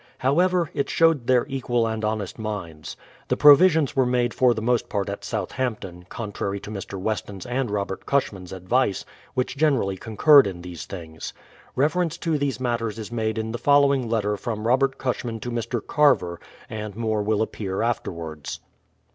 However, it showed their equal and honest minds. The provisions were made for the most part at Southamp ton, contrary to Mr. Weston's and Robert Cushman's advice (which generally concurred in these things). Reference to these matters is made in the following letter from Robert Cushman to Mr. Carver, and more will appear afterwards.